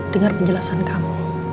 dengar penjelasan kamu